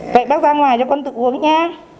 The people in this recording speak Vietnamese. vậy bác ra ngoài cho con tự uống nhé